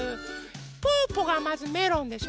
ぽぅぽがまずメロンでしょ。